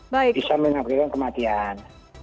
bisa mengakibatkan kematian